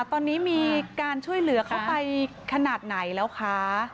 ตอนนี้มีการช่วยเหลือเขาไปขนาดไหนแล้วคะ